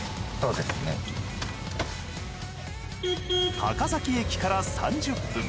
高崎駅から３０分。